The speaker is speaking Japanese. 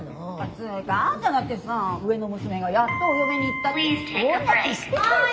つーかあんただってさ上の娘がやっとお嫁に行ったって大泣きしてたじゃない。